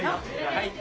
はい！